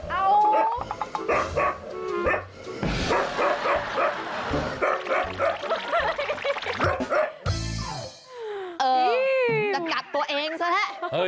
เออจะกัดตัวเองซะแหละ